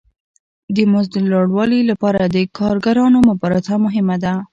د مزد د لوړوالي لپاره د کارګرانو مبارزه مهمه ده